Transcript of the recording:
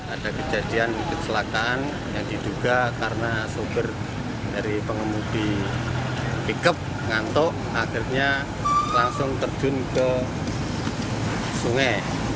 ada kejadian kecelakaan yang diduga karena sopir dari pengemudi pickup ngantuk akhirnya langsung terjun ke sungai